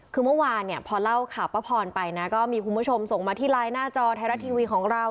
คือเมื่อวานเนี่ยพอเล่าข่าวป้าพรไปนะก็มีคุณผู้ชมส่งมาที่ไลน์หน้าจอไทยรัฐทีวีของเรา